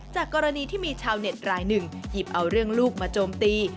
จากกรณีที่มีชาวเน็ตรายหนึ่งหยิบเอาเรื่องลูกมาโจมตี